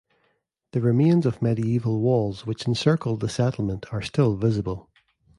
The remains of medieval walls which encircled the settlement are still visible.